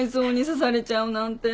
刺されちゃうなんて。